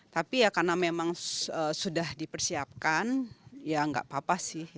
tapi ya karena memang sudah dipersiapkan ya nggak apa apa sih